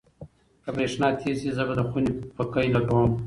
که برېښنا تېزه شي، زه به د خونې پکۍ لګوم.